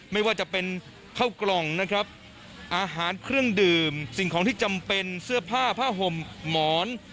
ไม่ว่าจะเป็นข้าวกล่องนะครับอาหารเครื่องดื่มสิ่งของที่จำเป็นเสื้อผ้าผ้าห่มหมอน